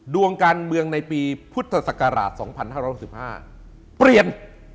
ดวงการเมืองในปีพุทธศักราช๒๕๖๕เปลี่ยน